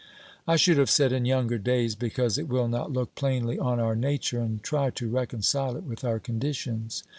I should have said in younger days, because it will not look plainly on our nature and try to reconcile it with our conditions.